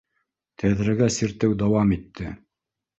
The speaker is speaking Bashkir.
Тәҙрәгә сиртеү дауам итте.